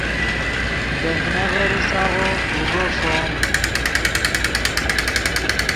دے ڤینغیرے ساغو کوݱو ݰوم